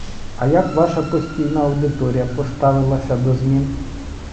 А як ваша постійна аудиторія поставилася до змін?